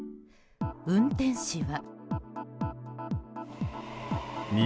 運転士は。